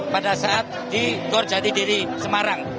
pada saat di gorjati diri semarang